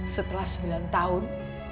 setelah sembilan tahun